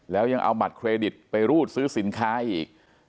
แล้วยังเอาบัตรเครดิตไปรูดซื้อสินค้าอีก